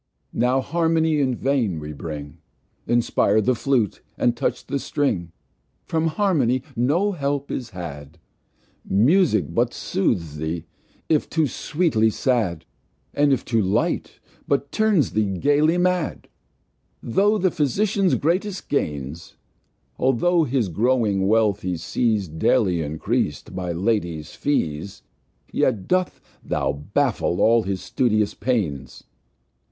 Now Harmony, in vain, we bring, Inspire the Flute, and touch the String. From Harmony no help is had; Musick but soothes thee, if too sweetly sad, And if too light, but turns thee gayly Mad. [Page 96] Tho' the Physicians greatest Gains, Altho' his growing Wealth he sees Daily increas'd by Ladies Fees, Yet dost thou baffle all his studious Pains.